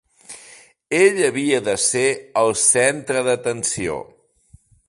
Ell havia de ser el centre d'atenció.